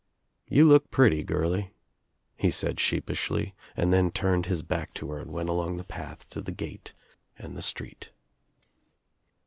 "You look pretty, girly," he said sheepishly and then turned his back to her and went along the path to the gate and the street.